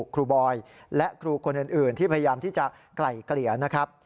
ครูบอยและครูคนอื่นที่พยายามที่จะไกล่เกลี่ยนะครับ